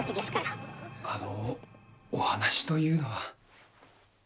あのお話というのは。